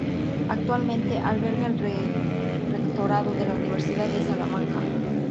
Actualmente alberga el Rectorado de la Universidad de Salamanca.